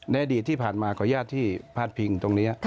อดีตที่ผ่านมาขออนุญาตที่พาดพิงตรงนี้